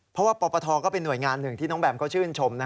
เพราะว่าปปทก็เป็นหน่วยงานหนึ่งที่น้องแบมเขาชื่นชม